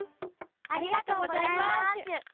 ありがとうございましゅ。